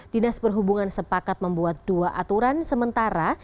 dinas perhubungan sepakat membuat dua aturan sementara